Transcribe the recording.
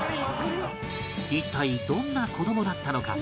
一体どんな子どもだったのか？